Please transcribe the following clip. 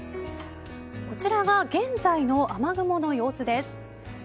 こちらが現在の雨雲の様子です。